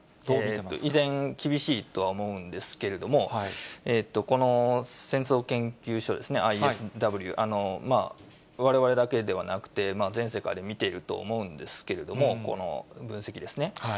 依然厳しいとは思うんですけれども、この戦争研究所ですね、ＩＳＷ、われわれだけではなくて、全世界で見ていると思うんですけれども、この分析ですね。